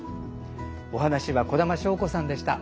お話は小玉祥子さんでした。